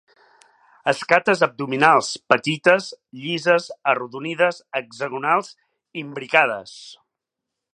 Escates abdominals petites, llises, arrodonides, hexagonals, imbricades.